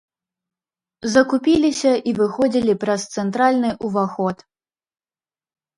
Закупіліся і выходзілі праз цэнтральны ўваход.